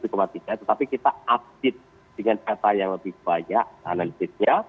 infosopasnya tujuh tiga tetapi kita update dengan data yang lebih banyak analisitnya